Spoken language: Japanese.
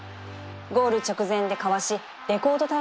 ゴール直前でかわしレコードタイムで優勝